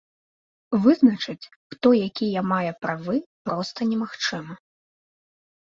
Вызначыць, хто якія мае правы, проста немагчыма.